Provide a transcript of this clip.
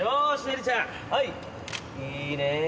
いいねえ。